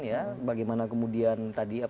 ya bagaimana kemudian tadi